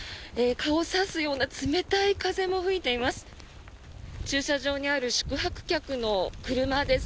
顔を刺すような冷たい風も吹いています。